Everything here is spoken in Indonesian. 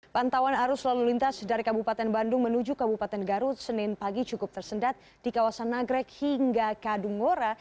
pantauan arus lalu lintas dari kabupaten bandung menuju kabupaten garut senin pagi cukup tersendat di kawasan nagrek hingga kadungora